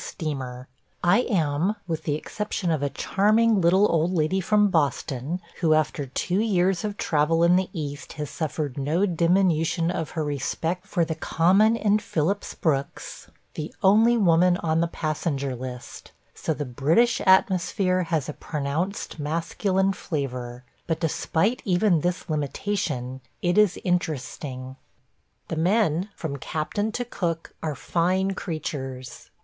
steamer. I am – with the exception of a charming little old lady from Boston, who after two years of travel in the East has suffered no diminution of her respect for the Common and Phillips Brooks – the only woman on the passenger list; so the British atmosphere has a pronounced masculine flavor; but despite even this limitation it is interesting. The men, from captain to cook, are fine creatures.